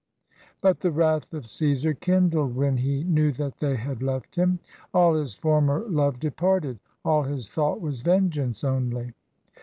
But the wrath of Caesar kindled, When he knew that they had left him; All his former love departed. All his thought was vengeance only.